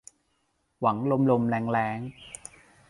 หวังลมลมแล้งแล้ง